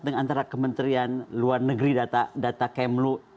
dengan antara kementerian luar negeri data kemlu